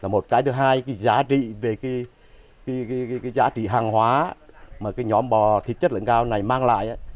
một cái thứ hai giá trị hàng hóa mà nhóm bò thịt chất lượng cao này mang lại